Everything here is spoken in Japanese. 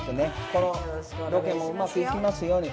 このロケもうまくいきますように。